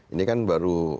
ini kan baru